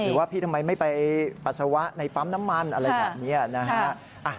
หรือว่าพี่ทำไมไม่ไปปัสสาวะในปั๊มน้ำมันอะไรแบบนี้นะฮะ